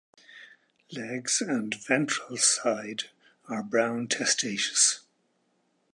Legs and ventral side are brown testaceous.